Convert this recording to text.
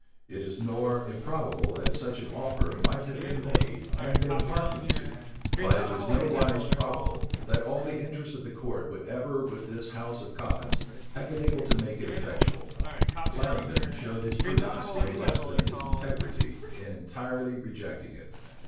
It is nor improbable, that such an offer might have been made, and been hearkened to; but it is nowise probable, that all the interest of the court would ever with this house of commons, have been able to make it effectual. Clarendon showed his prudence, no less than his integrity, in entirely rejecting it.